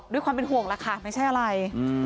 ด้วยความเป็นห่วงล่ะค่ะไม่ใช่อะไร